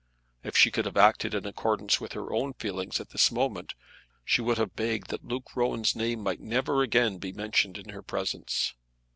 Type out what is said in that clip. If she could have acted in accordance with her own feelings at this moment, she would have begged that Luke Rowan's name might never again be mentioned in her presence.